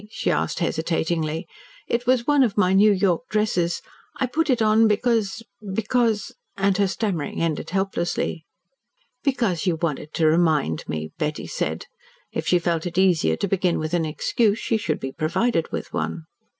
she asked hesitatingly. "It was one of my New York dresses. I put it on because because " and her stammering ended helplessly. "Because you wanted to remind me," Betty said. If she felt it easier to begin with an excuse she should be provided with one.